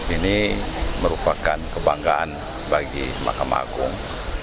ini merupakan kebanggaan bagi mahkamah agung